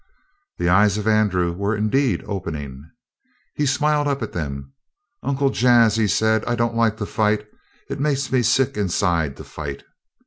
The eyes of Andrew were indeed opening. He smiled up at them. "Uncle Jas," he said, "I don't like to fight. It makes me sick inside, to fight."